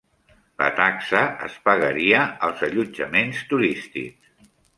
La taxa es pagaria als allotjaments turístics